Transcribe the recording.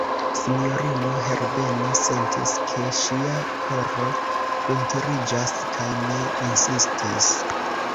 Sinjorino Herbeno sentis, ke ŝia koro kuntiriĝas, kaj ne insistis.